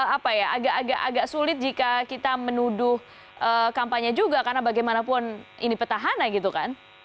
apa ya agak agak sulit jika kita menuduh kampanye juga karena bagaimanapun ini petahana gitu kan